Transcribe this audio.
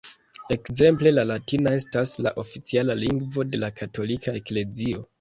Ekzemple la latina estas la oficiala lingvo de la katolika eklezio.